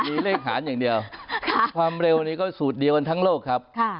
มีเลขหารอย่างเดียวความเร็วนี้ก็สูตรเดียวกันทั้งโลกครับ